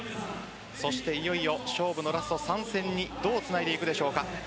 そして、いよいよ勝負のラスト３戦にどうつないでいくでしょうか。